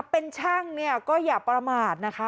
เป็นช่างเนี่ยก็อย่าประมาทนะคะ